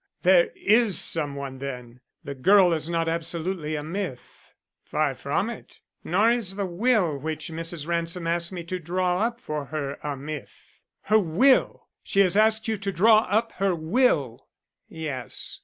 there is some one then; the girl is not absolutely a myth." "Far from it. Nor is the will which Mrs. Ransom has asked me to draw up for her a myth." "Her will! she has asked you to draw up her will!" "Yes.